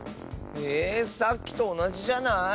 えさっきとおなじじゃない？